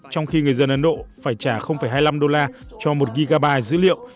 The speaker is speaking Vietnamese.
trong khi người dân ấn độ phải trả hai mươi năm đô la cho một gigabyte dữ liệu